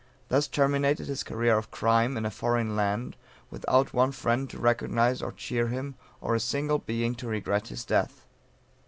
Thus terminated his career of crime in a foreign land without one friend to recognize or cheer him, or a single being to regret his death.